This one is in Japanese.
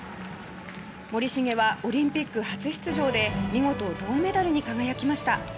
森重はオリンピック初出場で見事、銅メダルに輝きました。